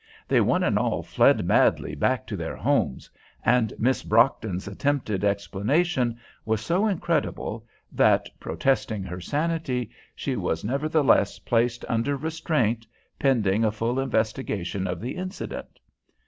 They one and all fled madly back to their homes, and Miss Brockton's attempted explanation was so incredible that, protesting her sanity, she was nevertheless placed under restraint, pending a full investigation of the incident.